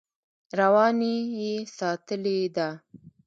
رواني یې ساتلې ده.